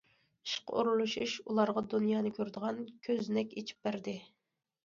ئىشقا ئورۇنلىشىش، ئۇلارغا دۇنيانى كۆرىدىغان كۆزنەك ئېچىپ بەردى.